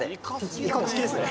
いか好きですね。